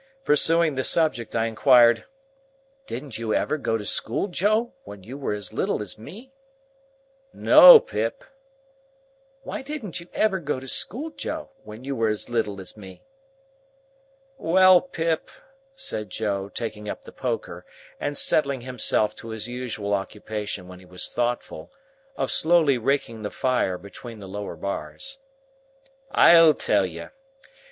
Pursuing the subject, I inquired,— "Didn't you ever go to school, Joe, when you were as little as me?" "No, Pip." "Why didn't you ever go to school, Joe, when you were as little as me?" "Well, Pip," said Joe, taking up the poker, and settling himself to his usual occupation when he was thoughtful, of slowly raking the fire between the lower bars; "I'll tell you.